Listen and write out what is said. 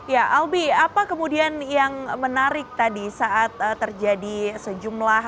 ya albi apa kemudian yang menarik tadi saat terjadi sejumlah